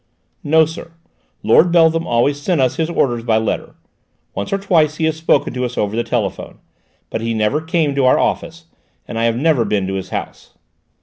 "No, sir: Lord Beltham always sent us his orders by letter; once or twice he has spoken to us over the telephone, but he never came to our office, and I have never been to his house."